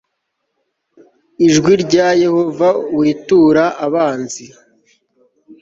ijwi rya Yehova witura abanzi